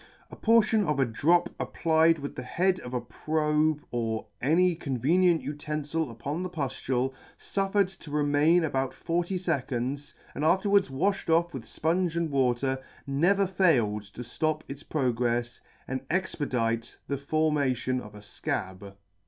A portion of a drop applied with the head of a probe cr any [ 157 ] any convenient utenfil upon the puftule, fuffered to remain about forty feconds, and afterwards wafhed off with fponge and water, never failed to flop its progrefs, and expedite the forma tion of a fcab.